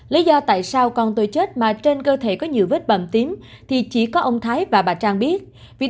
lý do tại sao con tôi chết mà trên cơ thể có nhiều vết bầm tím thì chỉ có ông thái và bà trang biết